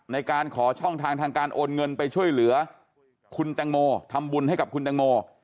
ในการขอช่องทางทางการโอนเงินไปช่วยเหลือคุณแตงโมทำบุญให้กับคุณแตงโม